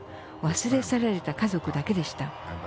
忘れ去られた家族だけでした。